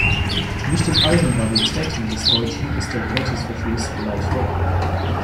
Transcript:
Nicht in allen Varitäten des Deutschen ist der Glottisverschluss gleich häufig.